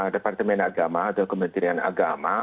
departemen agama atau kementerian agama